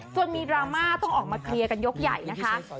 มีดราม่าต้องออกมาเคลียร์กันยกใหญ่นะคะ